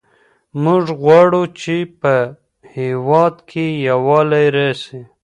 موږ غواړو چې په هېواد کې یووالی راسي.